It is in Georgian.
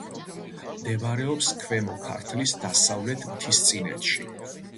მდებარეობს ქვემო ქართლის დასავლეთ მთისწინეთში.